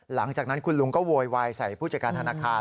หลังจากนั้นคุณลุงก็โวยวายใส่ผู้จัดการธนาคาร